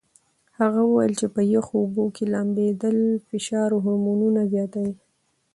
هغه وویل چې په یخو اوبو کې لامبېدل فشار هورمونونه زیاتوي.